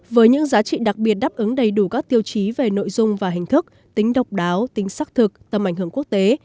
với những giá trị đặc biệt đáp ứng đầy đủ các tiêu chí về nội dung và hình thức tính độc đáo tính xác thực tầm ảnh hưởng quốc tế